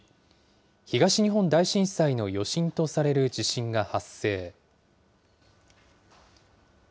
東日本大震災の余震とされる地震が発生。